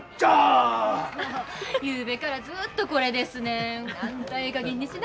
ゆうべからずっとこれですねん。